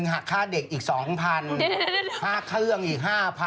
๑๑๐๐๐หักค่าเด็กอีก๒๐๐๐หักเครื่องอีก๕๐๐๐